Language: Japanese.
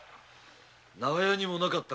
長屋にもなかった。